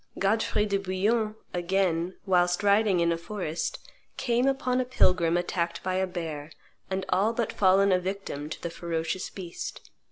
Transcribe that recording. Godfrey de Bouillon, again, whilst riding in a forest, came upon a pilgrim attacked by a bear, and all but fallen a victim to the ferocious beast.